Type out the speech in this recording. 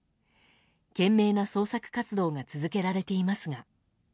懸命な捜索活動が続けられていますが。